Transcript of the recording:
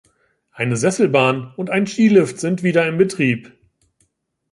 Eine Sesselbahn und ein Skilift sind wieder in Betrieb.